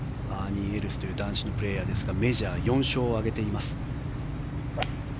アーニー・エルスという男子のプレーヤーですがメジャーで４勝を挙げています。